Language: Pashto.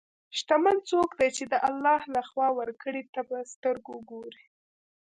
شتمن څوک دی چې د الله له خوا ورکړې ته په سترګو ګوري.